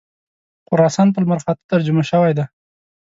خراسان په لمرخاته ترجمه شوی دی.